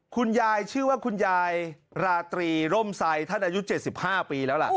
คุณยายชื่อว่าคุณยายราตรีร่มไซท่านอายุ๗๕ปีแล้วล่ะ